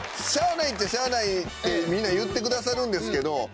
しゃあないっちゃしゃあないってみんな言ってくださるんですけど。